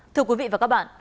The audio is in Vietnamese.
thưa quý vị và các bạn